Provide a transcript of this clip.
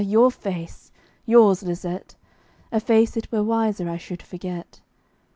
your face yours, Lisette; A face it were wiser I should forget.